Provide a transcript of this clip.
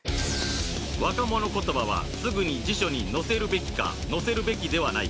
若者言葉はすぐに辞書に載せるべきか載せるべきではないか